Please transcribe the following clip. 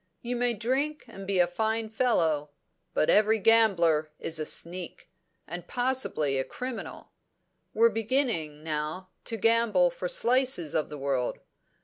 You may drink and be a fine fellow; but every gambler is a sneak, and possibly a criminal. We're beginning, now, to gamble for slices of the world.